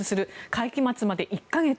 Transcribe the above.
会期末まで１か月。